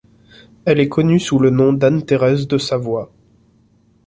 Elle est connue sous le nom d'Anne Thérèse de Savoie.